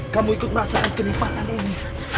kamu ikut merasakan kenikmatan ini